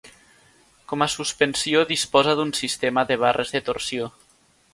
Com a suspensió disposa d'un sistema de barres de torsió.